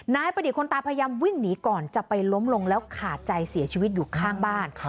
นายประดิษฐ์คนตายพยายามวิ่งหนีก่อนจะไปล้มลงแล้วขาดใจเสียชีวิตอยู่ข้างบ้าน